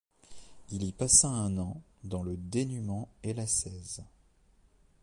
Il y passa un an dans le dénuement et l'ascèse.